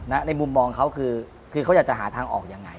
ในมุมมองเขาคือเขาอยากจะหาทางออกยังไง